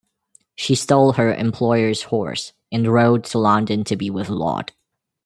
She stole her employer's horse and rode to London to be with Laud.